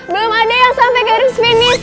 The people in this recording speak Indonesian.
belum ada yang sampai garis finish